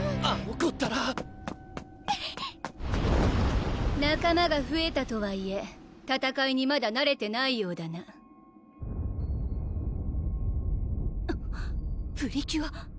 あの子ったら仲間がふえたとはいえ戦いにまだなれてないようだなプリキュア